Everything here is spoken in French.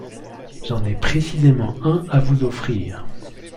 J’en ai précisément un à vous offrir.